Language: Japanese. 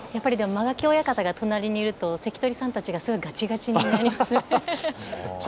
間垣親方が隣にいると関取さんたちもガチガチになりますね。